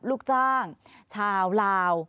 ลูกจ้างชาวลาว